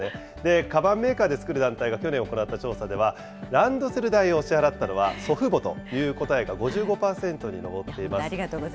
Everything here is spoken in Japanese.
かばんメーカーで作る団体が去年行った調査では、ランドセル代を支払ったのは祖父母という答えが５５％に上っています。